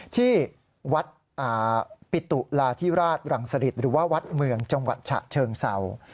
ที่วัดปิตุลาธิราชรังสริตหรือว่าวัดเมืองจังหวัดฉะเชิงเศร้า